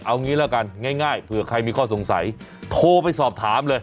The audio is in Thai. เอางี้ละกันง่ายเผื่อใครมีข้อสงสัยโทรไปสอบถามเลย